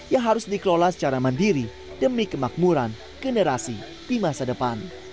yang harus dikelola secara mandiri demi kemakmuran generasi di masa depan